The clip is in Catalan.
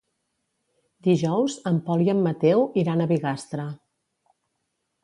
Dijous en Pol i en Mateu iran a Bigastre.